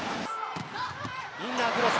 インナー、クロス。